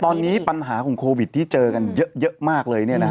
ตอนนี้ปัญหาของโควิดที่เจอกันเยอะมากเลย